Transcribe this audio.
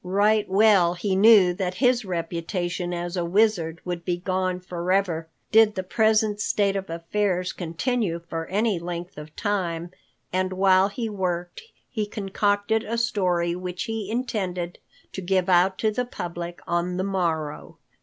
Right well he knew that his reputation as a wizard would be gone forever did the present state of affairs continue for any length of time, and while he worked, he concocted a story which he intended to give out to the public on the morrow.